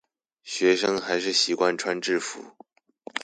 學生還是習慣穿制服